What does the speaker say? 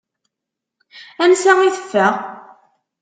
Ansa i teffeɣ?